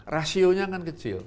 rasionya kan kecil